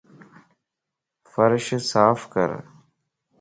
فرش صاف ڪر